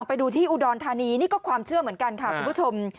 ไปดูที่อุดรธานีนี่ก็ความเชื่อเหมือนกันค่ะคุณผู้ชม